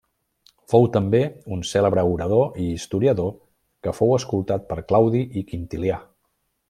Fou també un cèlebre orador i historiador que fou escoltat per Claudi i Quintilià.